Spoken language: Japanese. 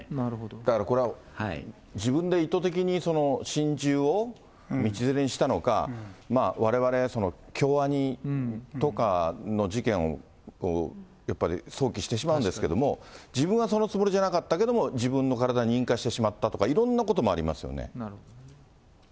だからこれは自分で意図的に心中を、道連れにしたのか、われわれ、京アニとかの事件をやっぱり想起してしまうんですけれども、自分はそのつもりじゃなかったけれども、自分の体に引火してしまったとか、いろんなこともありますよね。